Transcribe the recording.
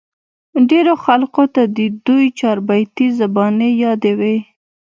ډېرو خلقو ته د دوي چاربېتې زباني يادې وې